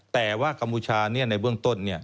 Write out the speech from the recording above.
แต่ว่ากัมพูชาในเบื้องต้น